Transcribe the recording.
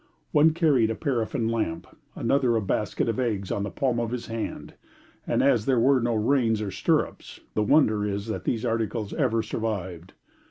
One carried a paraffin lamp, another a basket of eggs on the palm of his hand, and as there were no reins and no stirrups, the wonder is that these articles ever survived.